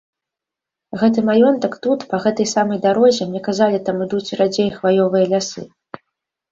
Гэты маёнтак тут, па гэтай самай дарозе, мне казалі, там ідуць радзей хваёвыя лясы.